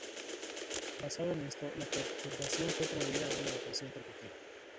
Basado en esto, la perturbación fue promovida a una depresión tropical.